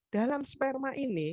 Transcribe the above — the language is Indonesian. dalam sperma ini